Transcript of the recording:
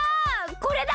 これだ！